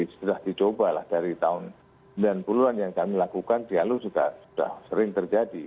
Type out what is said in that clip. sudah dicoba lah dari tahun sembilan puluh an yang kami lakukan dialog juga sudah sering terjadi